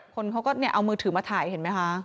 คนเขาก็เนี่ยเอามือถือมาถ่ายเห็นมั้ยคะ